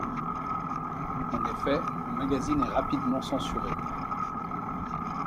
En effet, le magazine est rapidement censuré.